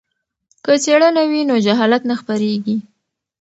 که څیړنه وي نو جهالت نه خپریږي.